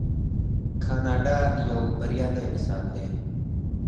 کاناډا یو بریالی مثال دی.